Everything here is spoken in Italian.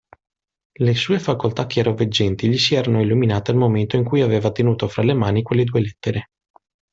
Le sue facoltà chiaroveggenti gli si erano illuminate al momento in cui aveva tenuto fra le mani quelle due lettere.